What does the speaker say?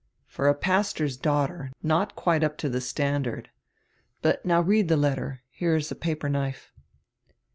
"For a pastor's daughter not quite up to die standard. But now read die letter. Here is a paper knife."